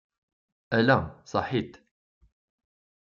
Ala, saḥit.